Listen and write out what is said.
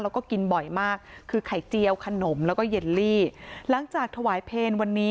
แล้วก็กินบ่อยมากคือไข่เจียวขนมแล้วก็เย็นลี่หลังจากถวายเพลงวันนี้